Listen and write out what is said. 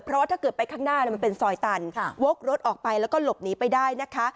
เพราะว่าถ้าเกิดไปข้างหน้ามันเป็นซอยตันวกรถออกไปแล้วก็หลบหนีไปได้นะคะ